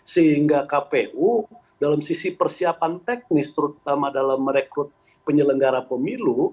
sehingga kpu dalam sisi persiapan teknis terutama dalam merekrut penyelenggara pemilu